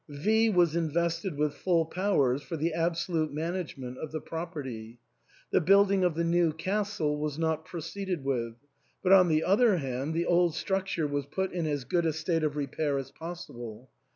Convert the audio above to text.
V was invested with full powers for the absolute management of the property. The building of the new castle was not pro ceeded with ; but on the other hand the old structure was put in as good "a state of repair as possible.